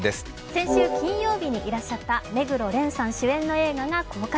先週金曜日にいらっしゃった目黒蓮さん主演の映画が公開。